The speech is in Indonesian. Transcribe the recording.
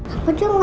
aku juga gak tau